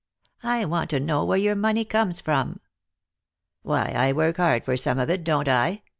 I want to know where your money comes from." " Why, I work hard for some of it, don't I ?